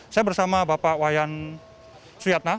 saya bersama bapak wayan suyatna